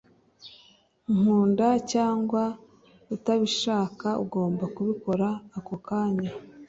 Nkunda cyangwa utabishaka ugomba kubikora ako kanya